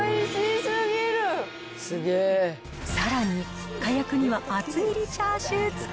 さらに、かやくには厚切りチャーシュー付き。